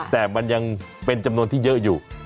แต่มันยังเป็นจำนวนที่เยอะอยู่